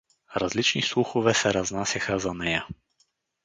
Различни слухове се разнасяха за нея.